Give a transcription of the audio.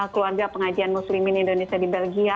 keluarga pengajian muslimin indonesia di belgia